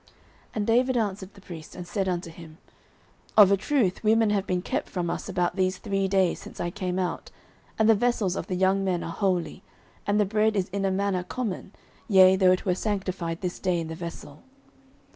09:021:005 And David answered the priest, and said unto him, Of a truth women have been kept from us about these three days, since I came out, and the vessels of the young men are holy, and the bread is in a manner common, yea, though it were sanctified this day in the vessel.